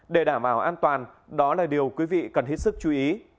để đảm bảo an toàn đó là điều quý vị cần hết sức chú ý